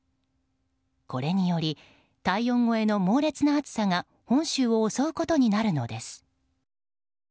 これにより、体温超えの猛烈な暑さが本州を襲うことになるのです。